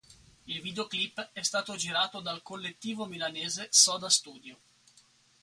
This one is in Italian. Il videoclip è stato girato dal collettivo milanese Soda Studio.